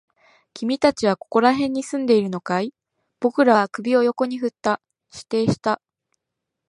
君たちはここら辺に住んでいるのかい？僕らは首を横に振った。否定した。